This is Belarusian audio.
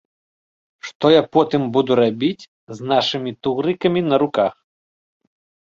Што я потым буду рабіць з нашымі тугрыкамі на руках?